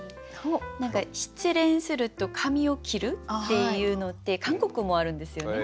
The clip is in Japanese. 何か失恋すると髪を切るっていうのって韓国もあるんですよね。